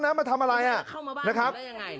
เข้ามาบ้านมาเล่นกันได้อย่างไรเนี่ย